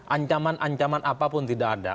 ancaman ancaman apapun tidak ada